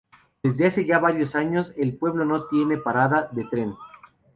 Desde hace ya varios años, el pueblo no tiene parada de tren.